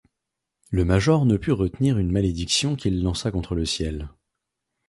Le major ne put retenir une malédiction qu’il lança contre le ciel.